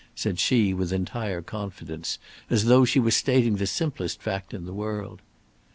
said she with entire confidence, as though she were stating the simplest fact in the world.